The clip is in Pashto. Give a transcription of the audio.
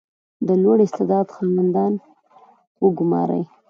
• د لوړ استعداد خاوندان وګمارئ.